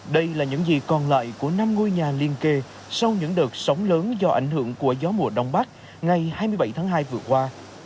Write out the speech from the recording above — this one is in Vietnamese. đây là những gì còn lại của năm ngôi nhà liên kề sau những đợt sóng lớn do ảnh hưởng của gió mùa đông bắc ngày hai mươi bảy tháng hai vừa qua